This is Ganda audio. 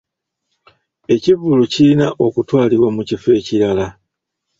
Ekivvulu kirina okutwalibwa mu kifo ekirala.